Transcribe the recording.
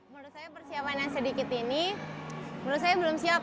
menurut saya persiapan yang sedikit ini menurut saya belum siap